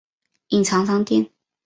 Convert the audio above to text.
隐藏商店